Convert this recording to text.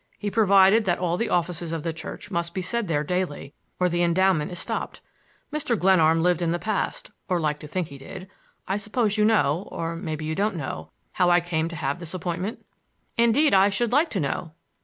He provided that all the offices of the church must be said there daily or the endowment is stopped. Mr. Glenarm lived in the past, or liked to think he did. I suppose you know—or maybe you don't know—how I came to have this appointment?" "Indeed, I should like to know."